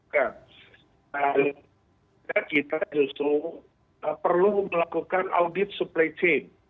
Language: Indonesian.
karena kita justru perlu melakukan audit supply chain